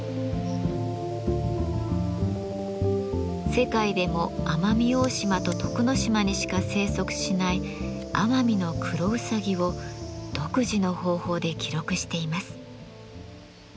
世界でも奄美大島と徳之島にしか生息しないアマミノクロウサギを独自の方法で記録しています。